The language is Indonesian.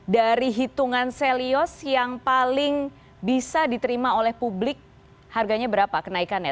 dari hitungan selios yang paling bisa diterima oleh publik harganya berapa kenaikannya